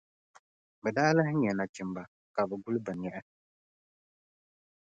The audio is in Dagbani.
Bɛ daa lahi nya nachimba ka bɛ guli bɛ niɣi.